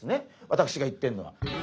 私が言ってんのは。